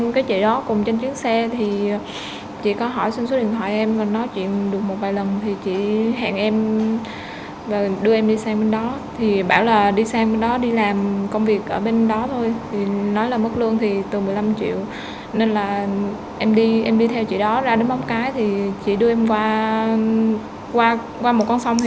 khi em đi theo chị đó ra đến bóng cái chị đưa em qua một con sông